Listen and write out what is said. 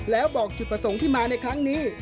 แล้วบอกจุดประสงค์ที่มาในครั้งนี้